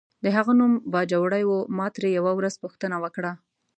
د هغه نوم باجوړی و، ما ترې یوه ورځ پوښتنه وکړه.